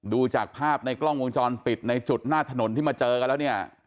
ดูจากภาพในกล้องวงจรปิดในจุดหน้าถนนที่มาเจอกันแล้วเนี่ย